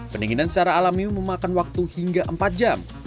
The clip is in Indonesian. pendinginan secara alami memakan waktu hingga empat jam